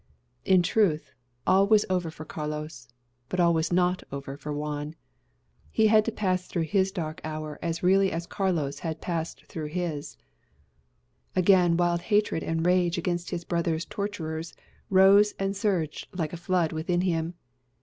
In truth, all was over for Carlos; but all was not over for Juan. He had to pass through his dark hour as really as Carlos had passed through his. Again the agony almost maddened him; again wild hatred and rage against his brother's torturers rose and surged like a flood within him.